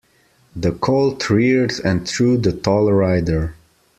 The colt reared and threw the tall rider.